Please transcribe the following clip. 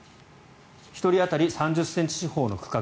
１人当たり３０ｃｍ四方の区画。